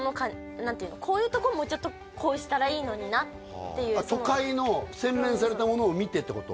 何ていうのこういうとこもうちょっとこうしたらいいのになっていう都会の洗練されたものを見てってこと？